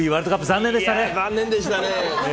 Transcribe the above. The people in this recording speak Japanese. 残念でしたね。